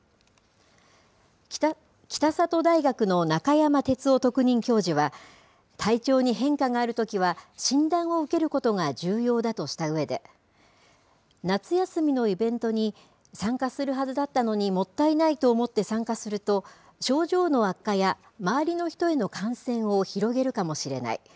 北里大学の中山哲夫特任教授は、体調に変化があるときは、診断を受けることが重要だとしたうえで、夏休みのイベントに参加するはずだったのにもったいないと思って参加すると、症状の悪化や周りの人への感染を広げるかもしれない。